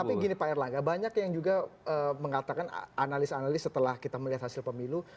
tapi gini pak erlangga banyak yang juga mengatakan analis analis setelah kita melihat hasil pemilu